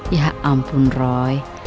ya ampun roy